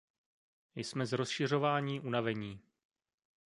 Jsme z rozšiřování unavení.